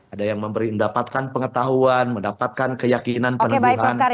ada yang mendapatkan pengetahuan mendapatkan keyakinan penemuan